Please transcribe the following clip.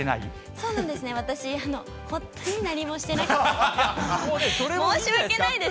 そうなんですね、私、本当に何もしてなくて、申し訳ないです。